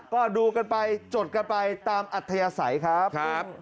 ก็ดูกันไปจดกันไปตามอัธยาศัยครับ